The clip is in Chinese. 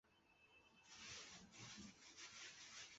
猛鹿是日本将棋的棋子之一。